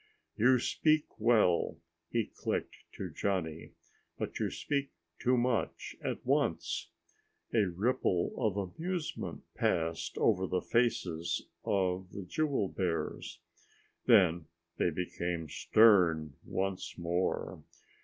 "You speak well," he clicked to Johnny, "but you speak too much at once." A ripple of amusement passed over the faces of the jewel bears. Then they became stern once more.